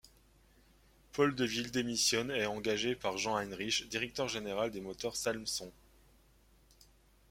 Paul Deville démissionne est engagé par Jean Heinrich, directeur général des moteurs Salmson.